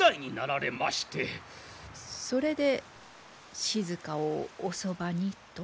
それで静をおそばにと？